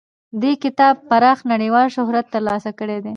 دې کتاب پراخ نړیوال شهرت ترلاسه کړی دی.